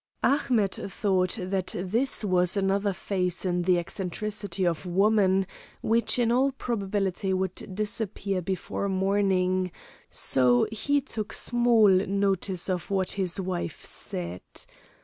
Ahmet thought that this was another phase in the eccentricity of woman which in all probability would disappear before morning, so he took small notice of what his wife said.